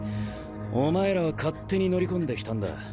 お前らは勝手に乗り込んできたんだ。